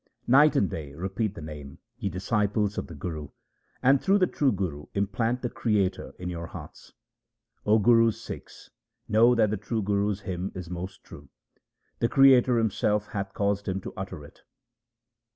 Night and day repeat the Name, ye disciples of the Guru, and through the true Guru implant the Creator in your hearts. O Guru's Sikhs, know that the true Guru's hymn is most true ; the Creator Himself hath caused him to utter it.